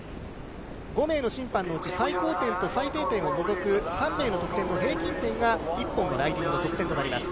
５名の審判のうち、最高点と最低点を除く３名の得点の平均点が一本のライディングの得点となります。